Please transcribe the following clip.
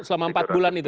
oh selama empat bulan itu